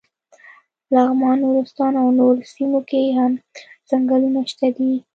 لغمان، نورستان او نورو سیمو کې هم څنګلونه شته دي.